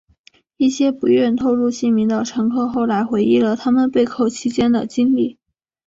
一些不愿透露姓名的乘客后来回忆了他们被扣期间的经历。